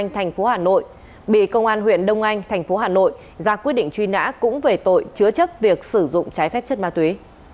tp hà nội bị công an huyện đông anh tp hà nội ra quyết định truy nã cũng về tội chữa chấp việc sử dụng trái phép chất ma túy